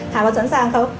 hà có sẵn sàng không